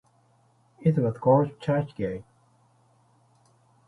It was called Churchgate.